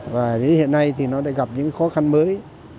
và đến hiện này nó đã gặp những khó khăn mới